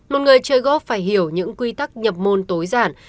một người chơi góp phải hiểu những quy tắc nhập môn tối giản